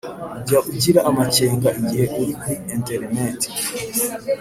jya ugira amakenga igihe uri kuri interineti